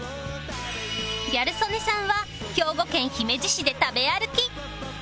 ギャル曽根さんは兵庫県姫路市で食べ歩き